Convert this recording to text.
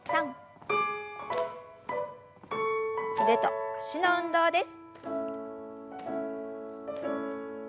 腕と脚の運動です。